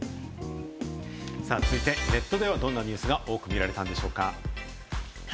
続いてネットではどんなニュースが多く見られたんでしょうか？